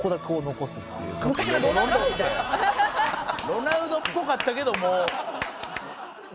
ロナウドっぽかったけども。